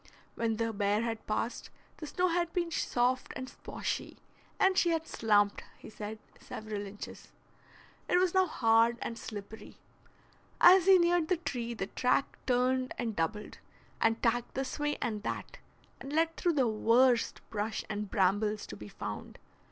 When the bear had passed, the snow had been soft and sposhy, and she had "slumped," he said, several inches. It was now hard and slippery. As he neared the tree the track turned and doubled, and tacked this way and that, and led through the worst brush and brambles to be found.